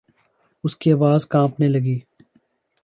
اس کی آواز کانپنے لگی۔